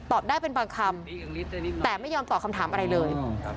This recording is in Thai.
ได้เป็นบางคำแต่ไม่ยอมตอบคำถามอะไรเลย